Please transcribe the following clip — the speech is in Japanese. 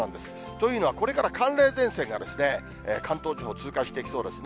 というのはこれから寒冷前線が、関東地方通過していきそうですね。